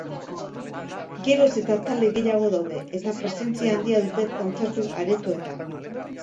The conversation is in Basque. Geroz eta talde gehiago daude, eta presentzia handia dute kontzertu aretoetan.